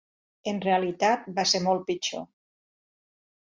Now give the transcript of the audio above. En realitat va ser molt pitjor.